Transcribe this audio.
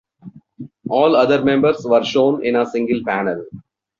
All other members were shown in a single panel.